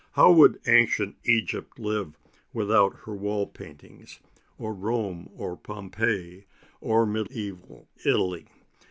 How would ancient Egypt live without her wall paintings or Rome, or Pompeii, or Mediæval Italy?